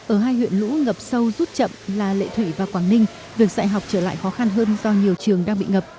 ở hai huyện lũ ngập sâu rút chậm là lệ thủy và quảng ninh việc dạy học trở lại khó khăn hơn do nhiều trường đang bị ngập